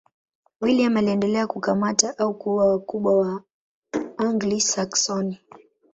William aliendelea kukamata au kuua wakubwa wa Waanglia-Saksoni.